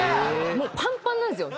もうパンパンなんですよ